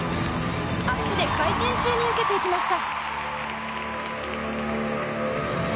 足で回転中に受けていきました。